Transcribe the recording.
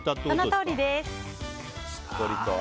そのとおりです。